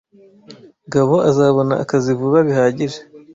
Gabo azabona akazi vuba bihagije.